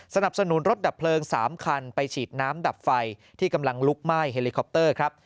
สนับสนุนรถดับเพลิง๓คันไปฉีดน้ำดับไฟที่กำลังลุกไหม้เฮลิคอปเตอร์ครับ